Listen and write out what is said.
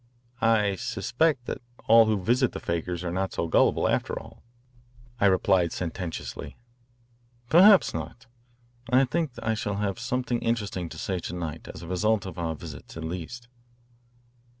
"I suspect that all who visit the fakirs are not so gullible, after all," I replied sententiously. "Perhaps not. I think I shall have something interesting to say to night as a result of our visits, at least."